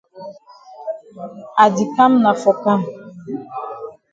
I di kam na for kam.